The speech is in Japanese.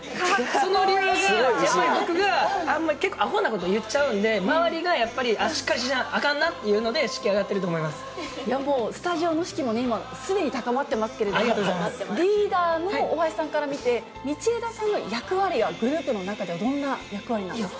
その理由が、僕が結構あほなこと言っちゃうんで、周りがやっぱりあ、しっかりしなあかんなっていうのが、士気が上がっていると思いまいや、もう、スタジオの士気も今、すでに高まってますけれども、リーダーの大橋さんから見て、道枝さんの役割は、グループの中ではどんな役割なんですか？